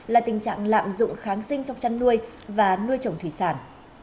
là tình trạng lạm dụng kháng sinh trong chăn nuôi và nuôi trồng thủy sản